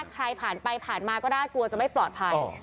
ใครผ่านไปผ่านมาก็ได้กลัวจะไม่ปลอดภัย